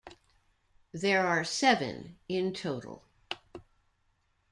There are seven in total.